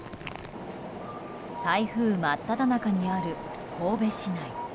台風真っただ中にある神戸市内。